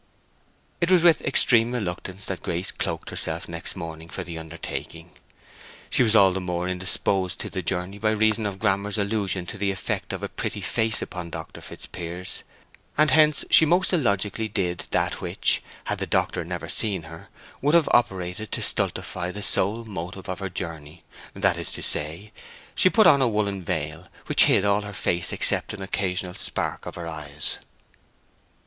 It was with extreme reluctance that Grace cloaked herself next morning for the undertaking. She was all the more indisposed to the journey by reason of Grammer's allusion to the effect of a pretty face upon Dr. Fitzpiers; and hence she most illogically did that which, had the doctor never seen her, would have operated to stultify the sole motive of her journey; that is to say, she put on a woollen veil, which hid all her face except an occasional spark of her eyes.